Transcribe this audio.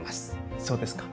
そうですか。